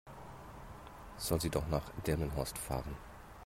Soll sie doch nach Delmenhorst fahren?